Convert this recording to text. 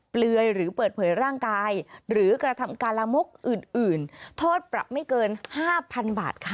เปลือยหรือเปิดเผยร่างกายหรือกระทำการละมกอื่นโทษปรับไม่เกิน๕๐๐๐บาทค่ะ